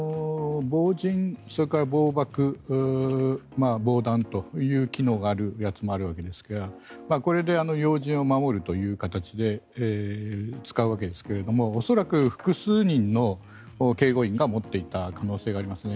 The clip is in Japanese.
防刃それから防爆防弾という機能があるやつもあるわけですがこれで要人を守るという形で使うわけですけれども恐らく複数人の警護員が持っていた可能性がありますね。